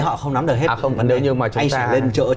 họ không nắm được hết vấn đề